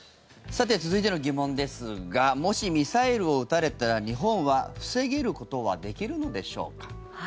さて、続いての疑問ですがもしミサイルを撃たれたら日本は防ぐことはできるのでしょうか。